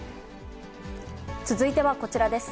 続いてはこちらです。